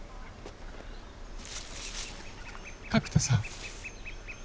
角田さん。